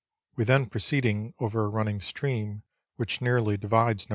We then proceeded over a running stream which nearly divides No.